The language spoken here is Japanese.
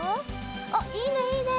あっいいねいいね！